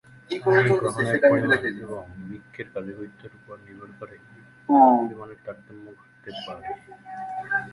পানি গ্রহণের পরিমাণ এবং বৃক্কের কার্যকারিতার উপর নির্ভর করে এই পরিমাণের তারতম্য ঘটতে পারে।